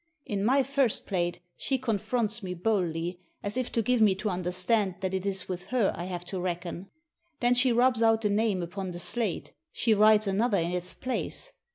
In my first plate she confronts me boldly, as if to give me to understand that it is with her I have to reckon. Then she rubs out the name upon the slate, she writes another in its place.